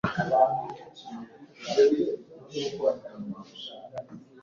santosh kalwar